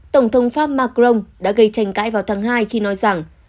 tổng thống pháp macron đã gây tranh cãi vào tháng hai khi nói rằng